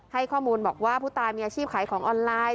ให้ข้อมูลบอกว่าผู้ตายมีอาชีพใครของอรรถิก่อน